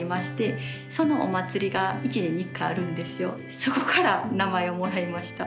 そこから名前をもらいました。